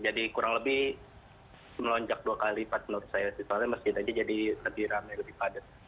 jadi kurang lebih melonjak dua kali pas menurut saya sih soalnya masjid aja jadi lebih rame lebih padat